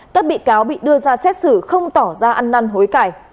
các bị cáo bị đưa ra xét xử không tỏ ra ăn năn hối cải